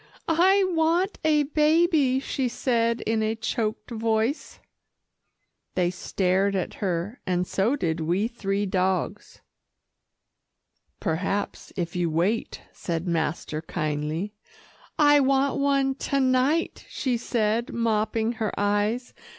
"I want a baby," she said in a choked voice. They stared at her, and so did we three dogs. "Perhaps, if you wait," said master kindly. "I want one to night," she said mopping her eyes.